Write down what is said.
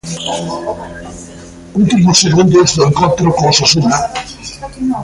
Últimos segundos do encontro co Osasuna.